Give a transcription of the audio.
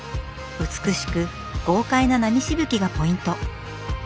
美しく豪快な波しぶきがポイント。